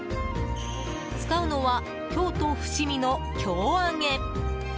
使うのは、京都・伏見の京揚げ。